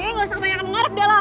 nggak usah tanya kamu ngarep dah lah